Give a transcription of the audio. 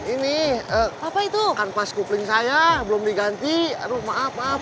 ini kanvas kupling saya belum diganti aduh maaf maaf